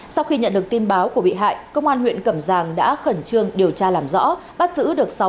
sau khi nhận được tin báo của bị hại công an huyện cẩm giang đã khẩn trương điều tra làm rõ bắt giữ được sáu đứa đứa